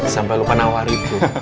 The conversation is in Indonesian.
sampai lupa nawari